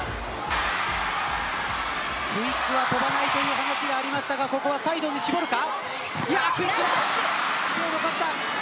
クイックは跳ばないという話がありましたがここはサイドに絞るか。